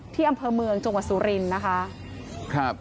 ที่อำเภอเมืองจังหวัดสุรินทร์นะคะ